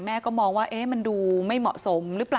แม่ก็มองว่ามันดูไม่เหมาะสมหรือเปล่า